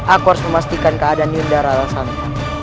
aku harus memastikan keadaan yudhara santai